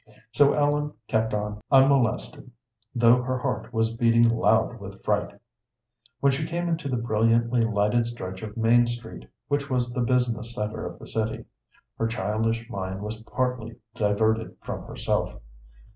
So Ellen kept on unmolested, though her heart was beating loud with fright. When she came into the brilliantly lighted stretch of Main Street, which was the business centre of the city, her childish mind was partly diverted from herself.